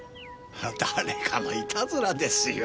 誰かのいたずらですよ。